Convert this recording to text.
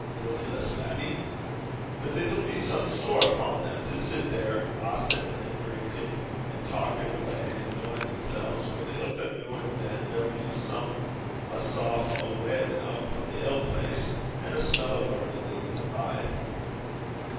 'Doobtless, laddie.' 'But it'll he some sair upo' them to sit there aitin' an' drinkin' an' talkin' awa', an' enjoyin' themsel's, whan ilka noo an' than there'll come a sough o' wailin' up frae the ill place, an' a smell o' burnin' ill to bide.'